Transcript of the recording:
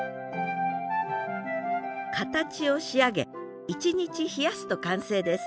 形を仕上げ１日冷やすと完成です。